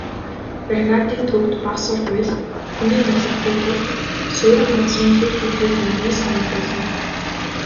Бригадын төвд бага сургууль, хүний эмнэлэгтэй тул суурин газрын хэр төрхийг нэгнээ санагдуулна.